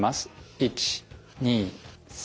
１２３。